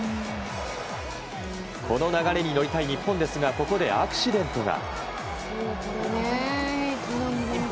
この流れに乗りたい日本ですがここでアクシデントが。